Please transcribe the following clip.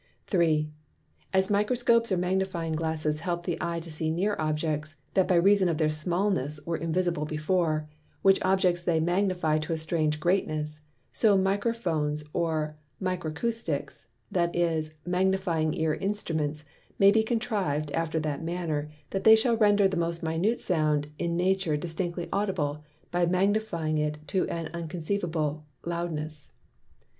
3. As Microscopes or Magnifying Glasses help the Eye to see near Objects, that by reason of their smallness were Invisible before; which Objects they Magnify to a strange greatness: So Microphones or Micracousticks, that is Magnifying Ear Instruments, may be contriv'd after that manner, that they shall render the most minute Sound in nature distinctly audible, by Magnifying it to an unconceivable loudness.